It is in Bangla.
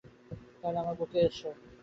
তাহলে আমার বুকে আসো।